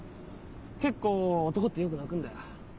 結構男ってよく泣くんだよ。